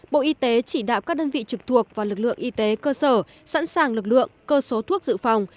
bộ y tế chỉ đạo các đơn vị trực thuộc và lực lượng y tế cơ sở sẵn sàng lực lượng cơ số thuốc dự phòng